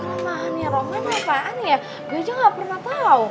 kelemahannya roman apaan ya gue aja ga pernah tau